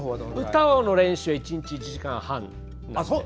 歌の練習は１日１時間半ぐらい。